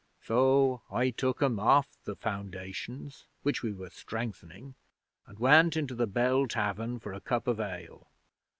So I took 'em off the foundations, which we were strengthening, and went into the Bell Tavern for a cup of ale.